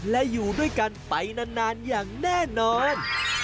และอยู่ด้วยกันไปนานอย่างแน่นอน